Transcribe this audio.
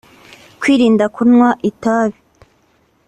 Kwirinda kunywa itabi